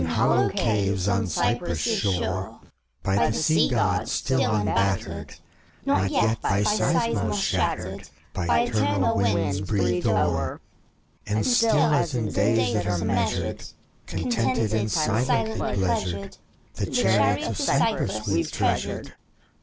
In hollow caves on Cyprus' shore. By the Sea Gk>d still unbattered, Not yet by Seismos shattered, By eternal winds breathed o'er, And still, as in days that are measured, Contented and silently pleasured, The chariot of Cypris we've treasured.